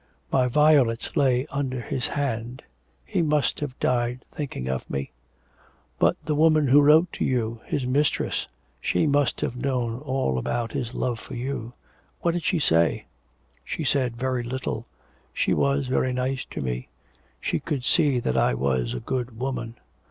'My violets lay under his hand, he must have died thinking of me.' 'But the woman who wrote to you, his mistress, she must have known all about his love for you. What did she say?' 'She said very little. She was very nice to me. She could see that I was a good woman....'